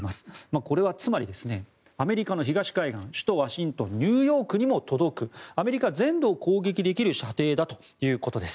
これはつまり、アメリカの東海岸首都ワシントンニューヨークにも届くアメリカ全土を攻撃できる射程だということです。